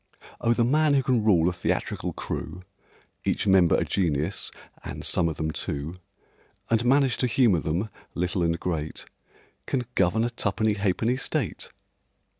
Oh, the man who can rule a theatrical crew, Each member a genius (and some of them two), And manage to humour them, little and great, Can govern a tuppenny ha'penny State!